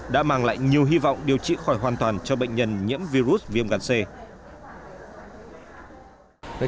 đã mang lại nhiều hy vọng điều trị khỏi hoàn toàn cho bệnh nhân nhiễm virus viêm gan c